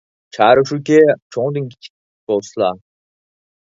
چارە شۇكى، چوڭدىن كىچىك بولسىلا.